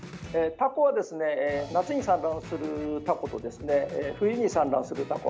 タコは、夏に産卵するタコと冬に産卵するタコ